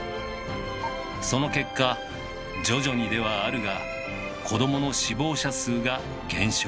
その結果徐々にではあるが子どもの死亡者数が減少。